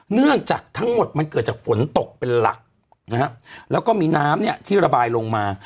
เนื่องจากทั้งหมดมันเกิดจากฝนตกเป็นหลักนะฮะแล้วก็มีน้ำเนี่ยที่ระบายลงมา